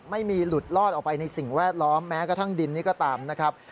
ไม่มีหลุดลอดออกไปในสิ่งแวดล้อมแม้กระทั่งดินนี้ก็ตามนะครับ